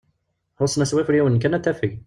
Xusen-as wafriwen kan ad tafeg.